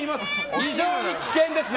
非常に危険ですね。